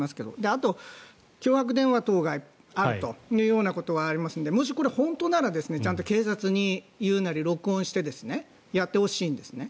あとは脅迫電話等があるということがありますのでもしこれ本当ならちゃんと警察に言うなり録音してやってほしいんですね。